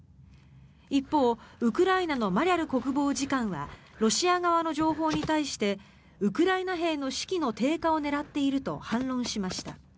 一方、ウクライナのマリャル国防次官はロシア側の情報に対してウクライナ兵の士気の低下を狙っていると反論しました。